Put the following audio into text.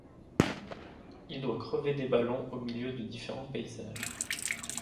Il doit crever des ballons au milieu de différents paysages.